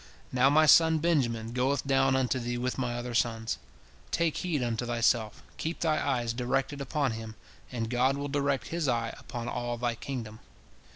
Now my son Benjamin goeth down unto thee with my other sons. Take heed unto thyself, keep thy eyes directed upon him, and God will direct His eye upon all thy kingdom.